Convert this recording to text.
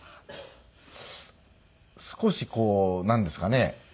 少しこうなんですかね。